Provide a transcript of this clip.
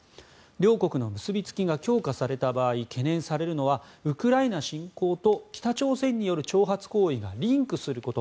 両国の結びつきが強化された場合懸念されるのはウクライナ侵攻と北朝鮮による挑発行為がリンクすること。